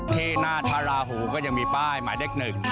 ที่หน้าพระราหูก็ยังมีป้ายหมายเลขหนึ่ง